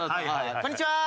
こんにちは。